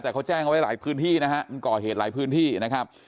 แต่เขาแจ้งเอาไว้หลายพื้นที่นะฮะมันก่อเหตุหลายพื้นที่นะครับ